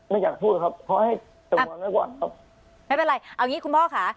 ไม่อยากพูดครับเพราะว่าไม่เป็นไรเอาอย่างงี้คุณพ่อค่ะ